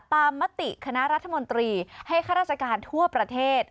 มติคณะรัฐมนตรีให้ข้าราชการทั่วประเทศ